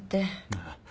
ああ。